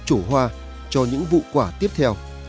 chổ hoa cho những vụ quả tiếp theo